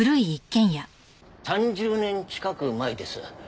３０年近く前です。